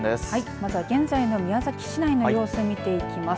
まずは、現在の宮崎市内の様子を見ていきます。